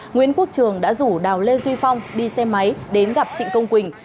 nguyễn quốc trường đã rủ đào lê duy phong đi xe máy đến gặp trịnh công quỳnh